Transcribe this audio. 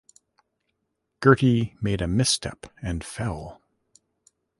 Girty made a miss step and fell.